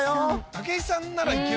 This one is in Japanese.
武井さんならいけるか。